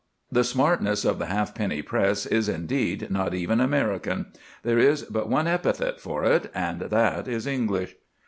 The smartness of the halfpenny press is indeed not even American. There is but one epithet for it, and that is English.